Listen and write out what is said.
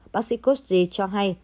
bác sĩ coris cho hay